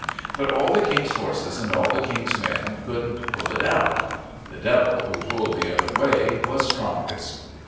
But all the king's horses and all the king's men couldn't pull it out; the Devil, who pulled the other way, was strongest.